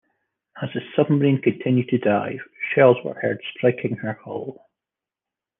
As the submarine continued to dive, shells were heard striking her hull.